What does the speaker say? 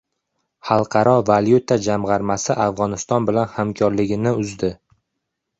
Xalqaro valyuta jamg‘armasi Afg‘oniston bilan hamkorlikni uzdi